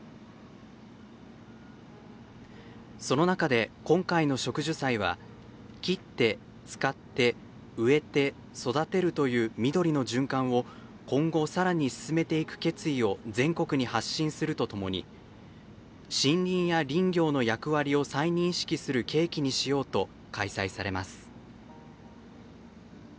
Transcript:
その中で、今回の植樹祭は「伐って、使って、植えて、育てる」という緑の循環を今後さらに進めていく決意を全国に発信するとともに森林や林業の役割を再認識する契機にしようと開催されます。